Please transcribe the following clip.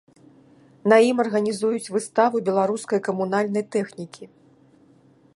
На ім арганізуюць выставу беларускай камунальнай тэхнікі.